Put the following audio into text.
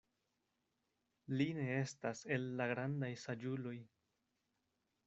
Li ne estas el la grandaj saĝuloj.